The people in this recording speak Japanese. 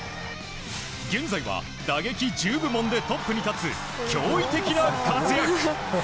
現在は打撃１０部門でトップに立つ驚異的な活躍。